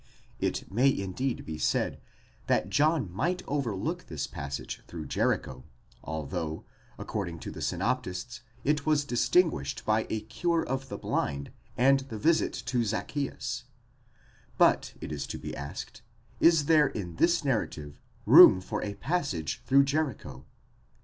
It may indeed be said, that John might overlook this passage through Jericho, although, according to the synoptists, it was distinguished by a cure of the blind, and the visit to Zacchzeus ; but, it is to be asked, is there in his narrative room for a passage through Jericho